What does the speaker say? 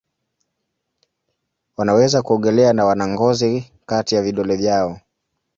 Wanaweza kuogelea na wana ngozi kati ya vidole vyao.